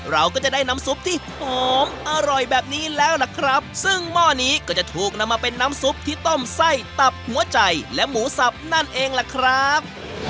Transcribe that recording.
เราก็จะได้น้ำซุปที่หอมอร่อยแบบนี้แล้วล่ะครับซึ่งหม้อนี้ก็จะถูกนำมาเป็นน้ำซุปที่ต้มไส้ตับหัวใจและหมูสับนั่นเองล่ะครับ